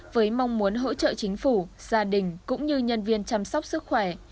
với mong muốn hỗ trợ chính phủ gia đình cũng như nhân viên chăm sóc sức khỏe